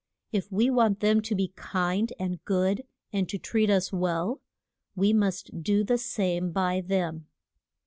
If we want them to be kind and good and to treat us well, we must do the same by them.